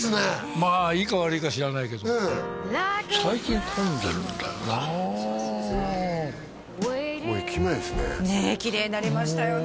まあいいか悪いか知らないけど最近混んでるんだよなへえ駅前ですねねっキレイになりましたよね